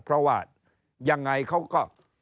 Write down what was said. เพราะว่ายังไงเขาก็